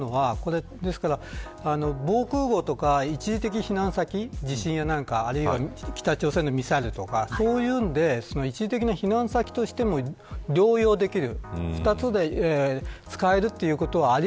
防空壕とか一時的避難先地震、あるいは北朝鮮のミサイルとかそういうので一時的な避難先としても療養できる。